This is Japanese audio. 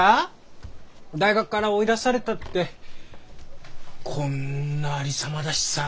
大学から追い出されたってこんなありさまだしさ。